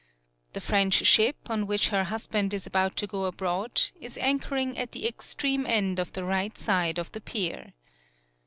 The French ship, on which her hus band is about to go abroad, is anchor ing at the extreme end of the right side of the pier.